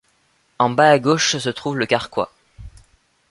En bas à gauche se trouve le carquois.